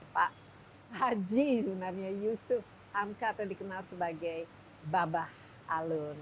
pak haji sebenarnya yusuf hamka atau dikenal sebagai babah alun